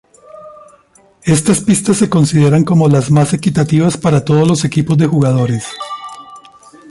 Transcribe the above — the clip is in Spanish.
Estas pistas se consideran como las más equitativas para todos los tipos de jugadores.